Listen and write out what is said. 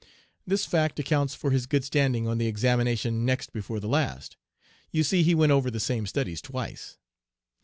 This fact accounts for his good standing on the examination next before the last. You see he went over the same studies twice.'